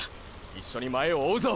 一緒に前を追うぞ！